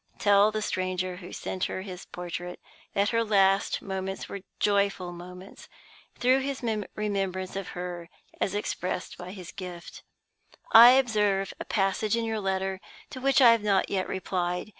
Tell the stranger who sent her his portrait that her last moments were joyful moments, through his remembrance of her as expressed by his gift. "I observe a passage in your letter to which I have not yet replied.